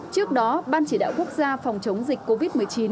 trước đó ban chỉ đạo quốc gia phòng chống dịch covid một mươi chín